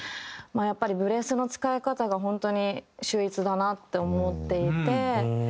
まあやっぱりブレスの使い方が本当に秀逸だなって思っていて。